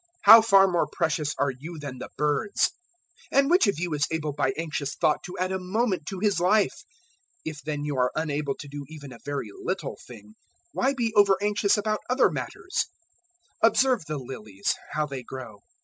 How far more precious are you than the birds! 012:025 And which of you is able by anxious thought to add a moment to his life? 012:026 If then you are unable to do even a very little thing, why be over anxious about other matters? 012:027 Observe the lilies, how they grow.